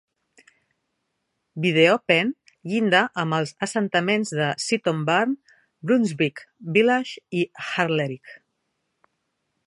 Wideopen llinda amb els assentaments de Seaton Burn, Brunswick Village i Hazlerigg.